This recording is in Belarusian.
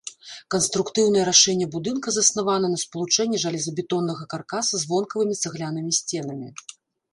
Канструктыўнае рашэнне будынка заснавана на спалучэнні жалезабетоннага каркаса з вонкавымі цаглянымі сценамі.